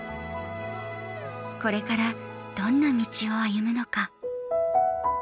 これからどんな道を歩むのか。